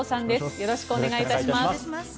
よろしくお願いします。